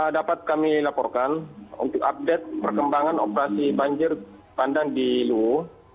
dapat kami laporkan untuk update perkembangan operasi banjir bandang di luwu